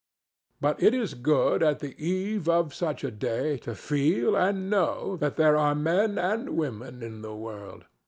But it is good at the eve of such a day to feel and know that there are men and women in the world.